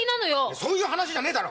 そういう話じゃねぇだろ！！